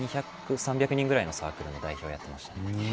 ３００人くらいのサークルの代表やってました。